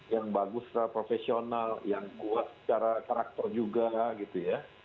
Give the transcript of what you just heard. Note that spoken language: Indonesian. yang bagus secara profesional yang kuat secara karakter juga gitu ya